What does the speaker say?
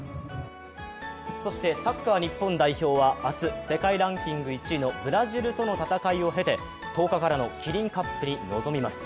そしてサッカー日本代表は明日、世界ランキング１位のブラジルとの戦いを経て１０日のキリンカップに臨みます。